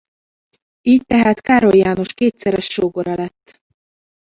Így tehát Károly János kétszeres sógora lett.